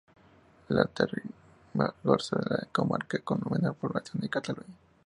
La Alta Ribagorza es la comarca con menor población de Cataluña.